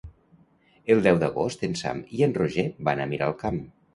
El deu d'agost en Sam i en Roger van a Miralcamp.